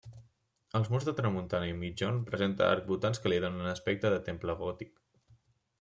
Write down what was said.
Als murs de tramuntana i migjorn presenta arcbotants que li donen aspecte de temple gòtic.